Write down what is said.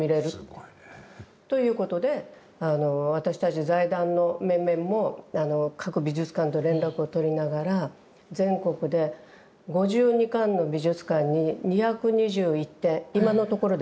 すごいね。ということで私たち財団の面々も各美術館と連絡を取りながら全国で５２館の美術館に２２１点今のところですよ。